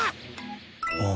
ああ！？